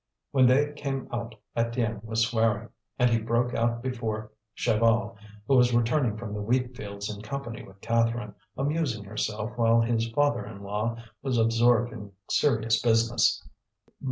When they came out Étienne was swearing. And he broke out before Chaval, who was returning from the wheatfields in company with Catherine, amusing himself while his father in law was absorbed in serious business.